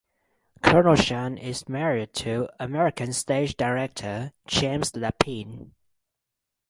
Kernochan is married to American stage director James Lapine.